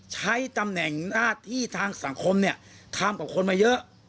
ใช้ตำแหน่งหน้าที่ทางสังคมเนี่ยทำกับคนมาเยอะ